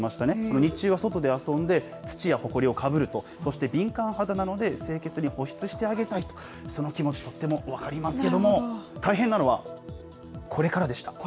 日中は外で遊んで、土やほこりをかぶると、そして敏感肌なので、清潔に保湿してあげたい、その気持ち、とっても分かりますけども、大変なのは、これからでした。